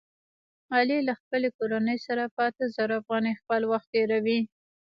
علي له خپلې کورنۍ سره په اته زره افغانۍ خپل وخت تېروي.